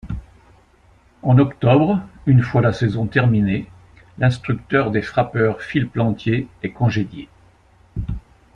En octobre, une fois la saison terminée, l'instructeur des frappeurs Phil Plantier est congédié.